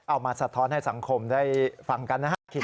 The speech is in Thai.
เอามาสะท้อนให้สังคมได้ฟังกันนะครับ